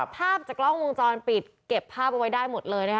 ภาพจากกล้องวงจรปิดเก็บภาพเอาไว้ได้หมดเลยนะคะ